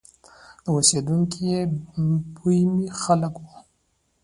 اوسېدونکي یې بومي خلک وو.